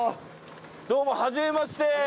どうも初めまして。